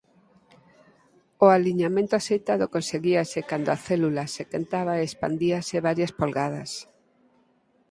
O aliñamento axeitado conseguíase cando a célula se quentaba e expandíase varias polgadas.